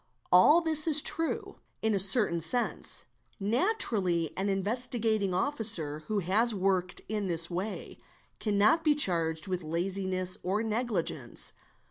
a Jl this is true, in a certain sense; naturally an Investigating Officer who has worked in this way, cannot be charged with laziness or neg 5 cence.